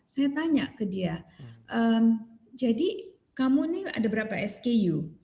saya tanya ke dia jadi kamu nih ada berapa sku